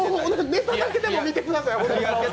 ネタだけでも見てください。